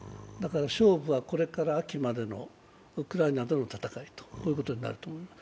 勝負はこれから秋までのウクライナでの戦いということになると思います。